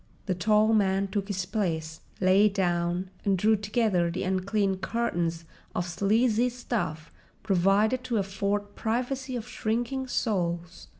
The tall man took his place, lay down, and drew together the unclean curtains of sleazy stuff provided to afford privacy to shrinking souls.